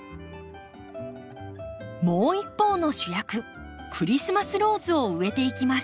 もう一方の主役クリスマスローズを植えていきます。